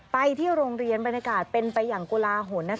ไปที่โรงเรียนบรรยากาศเป็นไปอย่างกุลาหล